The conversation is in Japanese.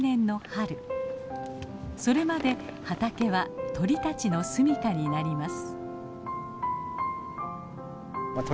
それまで畑は鳥たちの住みかになります。